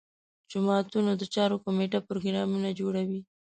جوماتونو د چارو کمیټه پروګرامونه جوړوي.